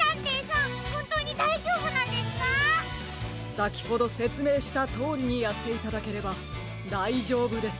さきほどせつめいしたとおりにやっていただければだいじょうぶです。